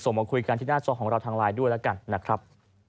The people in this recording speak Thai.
มาคุยกันที่หน้าจอของเราทางไลน์ด้วยแล้วกันนะครับ